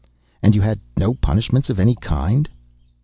"And you had no punishments of any kind?"